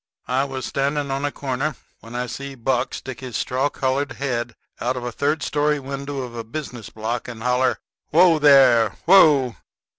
I was standing on a corner when I see Buck stick his straw colored head out of a third story window of a business block and holler, "Whoa, there! Whoa!"